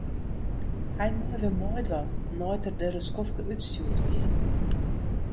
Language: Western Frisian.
Hy mei wer meidwaan nei't er der in skoftke útstjoerd wie.